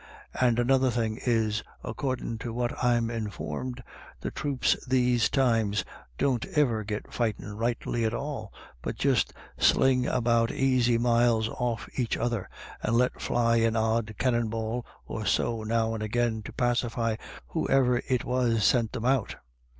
And another thing is, ac cordin' to what I'm informed, the throops these BETWEEN TWO LADY DA YS. Z27 times don't iver get fightin' rightly at all, but just slinge about aisy miles off aich other, and let fly an odd cannon ball or so now and agin to pacify whoiver it was sent them out.